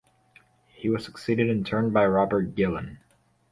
He was succeeded in turn by Robert Gillan.